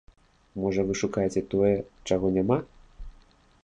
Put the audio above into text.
Можа, вы шукаеце тое, чаго няма?